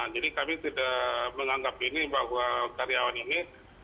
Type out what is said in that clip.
jadi kami tidak menganggap ini bahwa karyawan ini